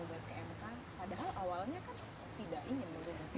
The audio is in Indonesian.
banyak petinggi petinggi bpn